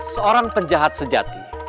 seorang penjahat sejati